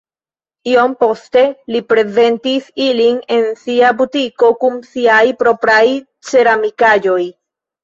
Iom poste li prezentis ilin en sia butiko kun siaj propraj ceramikaĵoj.